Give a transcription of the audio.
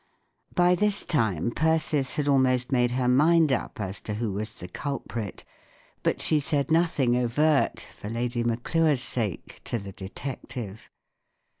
By this time Persis had almost made her mind up as to who was the culprit; but she said nothing overt, for Lady Mack]re's sake, to the detective.